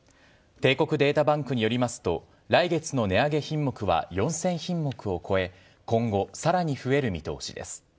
帝国データバンクによりますと、来月の値上げ品目は４０００品目を超え、今後、さらに増える見通しです。